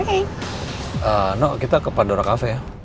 eeeh no kita ke pandora cafe ya